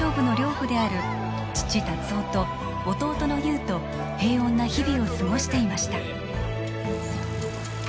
夫である父達雄と弟の優と平穏な日々を過ごしていました